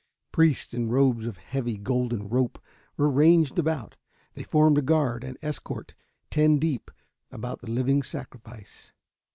Priests, in robes of heavy golden rope, were ranged about; they formed a guard and escort ten deep about the living sacrifice.